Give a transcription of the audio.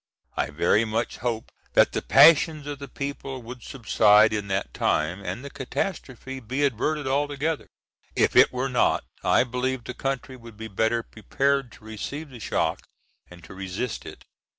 I very much hoped that the passions of the people would subside in that time, and the catastrophe be averted altogether; if it were not, I believed the country would be better prepared to receive the shock and to resist it.